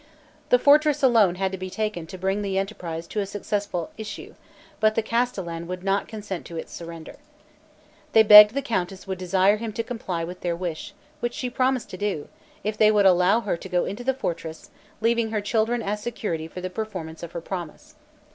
The fortress alone had to be taken to bring the enterprise to a successful issue; but the Castellan would not consent to its surrender. They begged the countess would desire him to comply with their wish, which she promised to do, if they would allow her to go into the fortress, leaving her children as security for the performance of her promise.